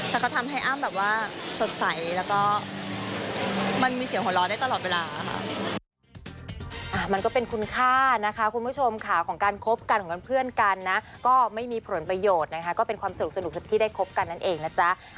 ถ้าเขาทำให้อ้ำแบบว่าสดใสแล้วก็มันมีเสียงหัวเราะได้ตลอดเวลาค่ะ